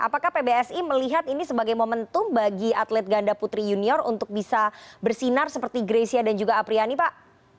apakah pbsi melihat ini sebagai momentum bagi atlet ganda putri junior untuk bisa bersinar seperti grecia dan juga apriani pak